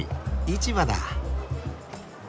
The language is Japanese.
市場だ。